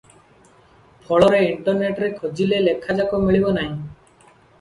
ଫଳରେ ଇଣ୍ଟରନେଟରେ ଖୋଜିଲେ ଲେଖାଯାକ ମିଳିବ ନାହିଁ ।